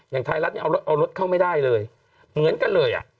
อย่างไทยรัฐเนี่ยเอารถเข้าไม่ได้เลยเหมือนกันเลยอ่ะ